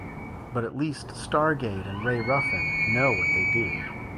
But at least Stargate and Ray Ruffin know what they do.